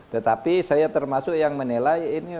tetapi saya termasuk yang menilai ini